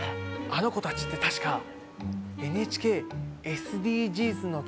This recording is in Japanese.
あの子たちって確かえねる！